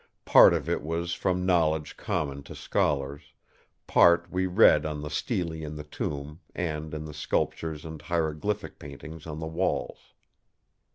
Part of it was from knowledge common to scholars; part we read on the Stele in the tomb, and in the sculptures and hieroglyphic paintings on the walls.